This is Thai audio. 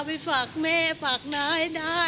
ไปฝากแม่ว่าไกลรักษาฝากมึงหนาให้ได้